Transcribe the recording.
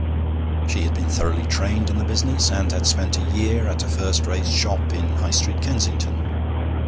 She had been thoroughly trained in the business, and had spent a year at a first rate shop in High Street, Kensington.